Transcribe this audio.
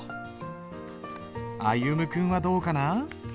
歩夢君はどうかな？